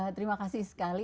terima kasih sekali